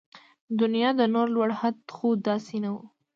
د دنيا د نور لوړ حد خو داسې نه و